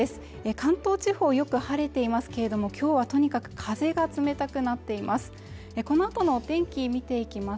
関東地方よく晴れていますけれども今日はとにかく風が冷たくなっています